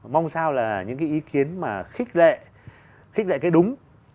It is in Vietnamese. mong sao là những cái ý kiến